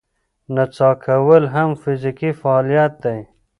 نڅا کول هم فزیکي فعالیت دی.